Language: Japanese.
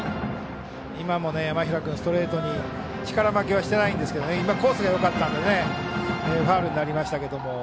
今も山平君、ストレートに力負けはしてないんですけど今のはコースがよかったのでファウルになりましたが。